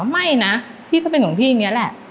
ไม่นะพี่ก็เป็นของพี่อย่างนี้แหละ